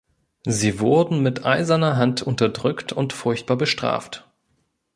Sie wurden mit eiserner Hand unterdrückt und furchtbar bestraft.